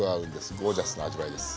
ゴージャスな味わいです。